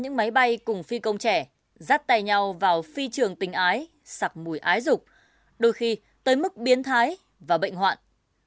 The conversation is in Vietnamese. những máy bay cùng phi công trẻ rắt tay nhau vào phi trường tình ái sặc mùi ái rục đôi khi tới mức biến thái và bệnh hoạn